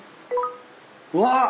うわ！